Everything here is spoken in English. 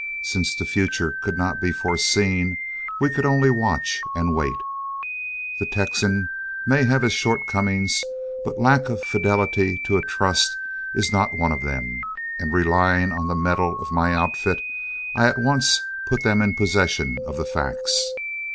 Since the future could not be foreseen, we could only watch and wait. The Texan may have his shortcomings, but lack of fidelity to a trust is not one of them, and relying on the metal of my outfit, I at once put them in possession of the facts.